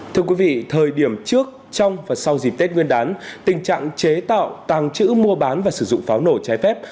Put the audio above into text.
thưa quý vị thời điểm trước trong và sau dịp tết nguyên đán tình trạng chế tạo tàng trữ mua bán và sử dụng pháo nổ trái phép